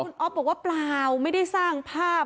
คุณอ๊อฟบอกว่าเปล่าไม่ได้สร้างภาพ